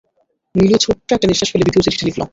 নীলু ছোট্ট একটি নিঃশ্বাস ফেলে দ্বিতীয় চিঠিটি লিখল।